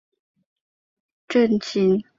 她在肯尼迪和约翰逊时期曾转投民主党阵型。